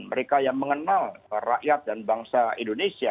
mereka yang mengenal rakyat dan bangsa indonesia